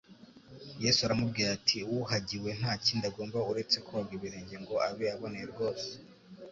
Yesu aramubwira ati: "Uwuhagiwe nta kindi agomba uretse koga ibirenge ngo abe aboneye rwose."